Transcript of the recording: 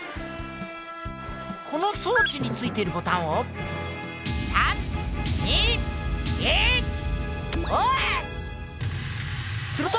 この装置についてるボタンを３２１すると。